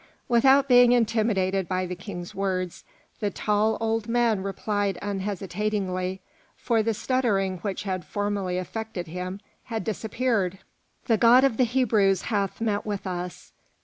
Without being intimidated by the King's words, the tall old man replied unhesitatingly, for the stuttering which had formerly affected him had disappeared, "The God of the Hebrews hath met with us.